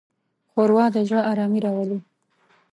ښوروا د زړه ارامي راولي.